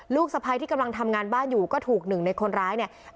สะพ้ายที่กำลังทำงานบ้านอยู่ก็ถูกหนึ่งในคนร้ายเนี่ย